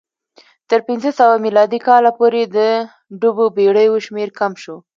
تر پنځه سوه میلادي کاله پورې د ډوبو بېړیو شمېر کم شو